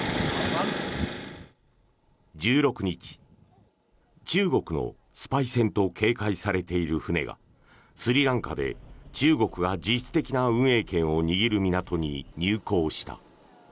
１６日、中国のスパイ船と警戒されている船がスリランカで中国が実質的な運営権を握る港に入港した。